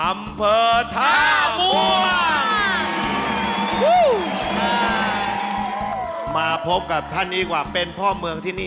มาพบกับท่านดีกว่าเป็นพ่อเมืองที่นี่